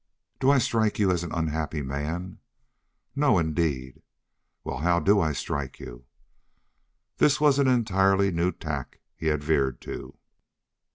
"Do I strike you as an unhappy man?" "No, indeed." "Well, how DO I strike you?" This was an entirely new tack he had veered to.